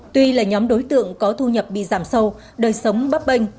tuy là nhóm đối tượng có thu nhập bị giảm sâu đời sống bấp bênh